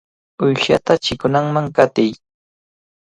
¡Uyshata chikunman qatiy!